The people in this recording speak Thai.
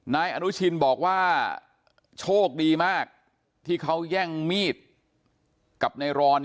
นายอนุชินบอกว่าโชคดีมากที่เขาแย่งมีดกับนายรอน